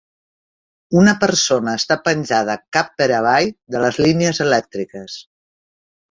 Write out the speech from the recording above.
Una persona està penjada cap per avall de les línies elèctriques.